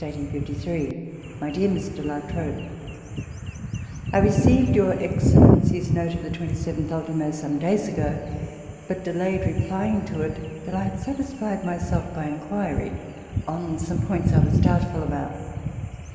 Portland, 13th August 1853. MY DEAR MR. LA TROBE, I received Your Excellency's note of the 27th ult. some days ago, but delayed replying to it till I had satisfied myself by inquiry on some points I was doubtful about.